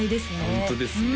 ホントですね